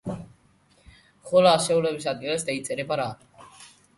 ხოლო ასეულების ადგილას დაიწერება რა?